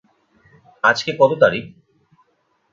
আজকে কত তারিখ?